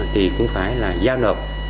thì cũng phải là giao nộp